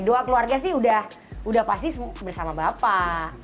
doa keluarga sih udah pasti bersama bapak